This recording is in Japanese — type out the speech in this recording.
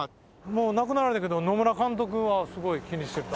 もう亡くなられたけど野村監督はすごい気にしてた。